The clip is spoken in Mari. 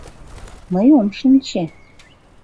Мый ом шинче.